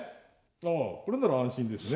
あこれなら安心ですね。